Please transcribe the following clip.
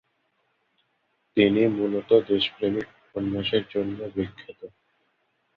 তিনি মূলত দেশপ্রেমভিত্তিক উপন্যাসের জন্য বিখ্যাত।